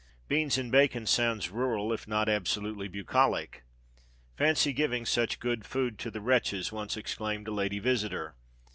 "Beans and bacon" sounds rural, if not absolutely bucolic. "Fancy giving such good food to the wretches!" once exclaimed a lady visitor.